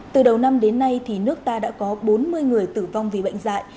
từ đầu năm đến nay thì nước ta đã có bốn mươi người tử vong vì bệnh dạy